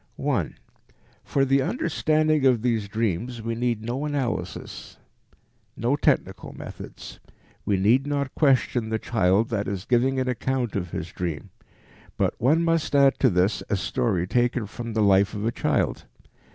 1. For the understanding of these dreams we need no analysis, no technical methods. We need not question the child that is giving an account of his dream. But one must add to this a story taken from the life of the child.